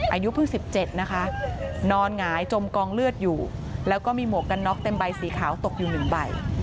อายุเพิ่ง๑๗นะคะนอนหงายจมกองเลือดอยู่แล้วก็มีหมวกกันน็อกเต็มใบสีขาวตกอยู่๑ใบ